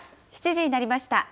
７時になりました。